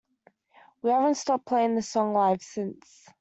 We haven't stopped playing the song live since.